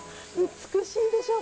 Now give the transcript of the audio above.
美しいでしょ。